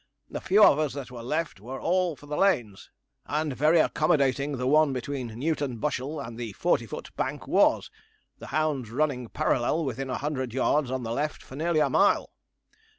The few of us that were left were all for the lanes, and very accommodating the one between Newton Bushell and the Forty foot Bank was, the hounds running parallel within a hundred yards on the left for nearly a mile.